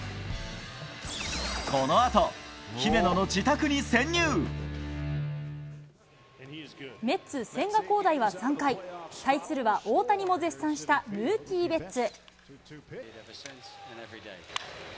このあと、メッツ、千賀滉大は３回、対するは大谷も絶賛したムーキー・ベッツ。